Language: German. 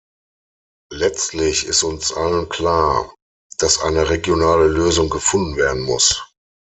Letztlich ist uns allen klar, dass eine regionale Lösung gefunden werden muss.